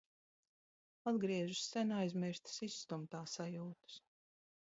Atgriežas sen aizmirstas izstumtā sajūtas...